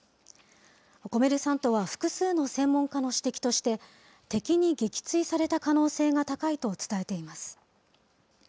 コメルサントは複数の専門家の指摘として、敵に撃墜された可能性が高いと伝えています。